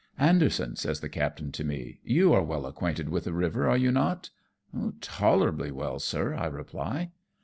"Anderson,'^ says the captain to me, "you are well acquainted with the river, are you not ?"" Tolerably well, sir," I reply.